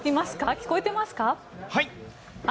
聞こえてますか？